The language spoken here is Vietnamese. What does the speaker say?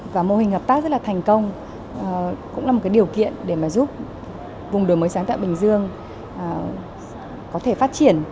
và mô hình hợp tác rất là thành công cũng là một cái điều kiện để mà giúp vùng đổi mới sáng tạo bình dương có thể phát triển